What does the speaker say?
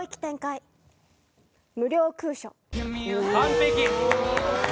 完璧。